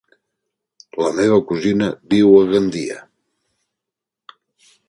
La meva cosina viu a Gandia.